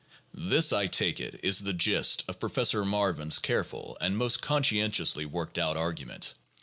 This, I take it, is the gist of Professor Marvin's careful and most conscientiously worked out argument.